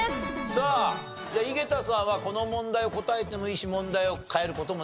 さあじゃあ井桁さんはこの問題を答えてもいいし問題を変える事もできますが。